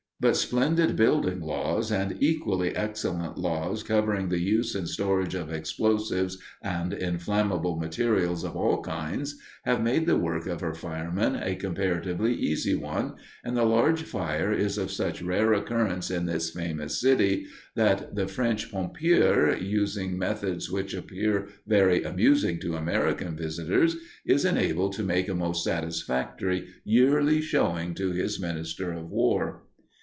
But splendid building laws and equally excellent laws covering the use and storage of explosives and inflammable materials of all kinds, have made the work of her firemen a comparatively easy one, and the large fire is of such rare occurrence in this famous city that the "French Pompier," using methods which appear very amusing to American visitors, is enabled to make a most satisfactory yearly showing to his Minister of War.